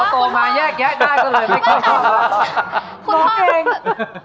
ขอโตมาแยกได้รึเปล่า